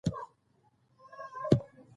منزل ته ورسېږئ.